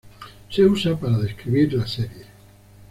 Se usa para describir la serie.